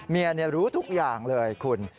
เมียรู้ทุกอย่างเลยคุณ